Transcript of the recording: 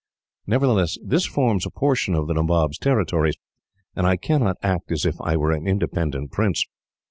Nevertheless, this forms a portion of the Nabob's territories, and I cannot act as if I were an independent prince.